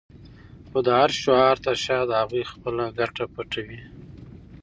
خو د هر شعار تر شا د هغوی خپله ګټه پټه وي.